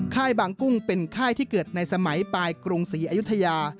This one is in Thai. ค่ายบางกุ้งเป็นค่ายที่เกิดในสมัยปลายกรุงศรีอยุธยา